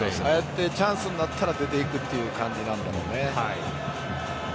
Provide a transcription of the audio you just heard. チャンスになったら出ていくという感じなんだろうね。